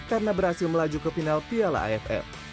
karena berhasil melaju ke final piala afl